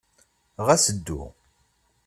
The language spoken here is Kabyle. Ɣas ddu.